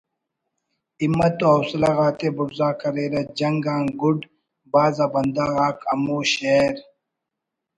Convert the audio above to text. ہمت و حوصلہ غاتے بڑزا کریرہ جنگ آن گُڈ بھاز آ بندغ آک ہمو شئیر